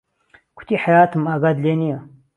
کوتی حهیاتم ئاگات لێ نییه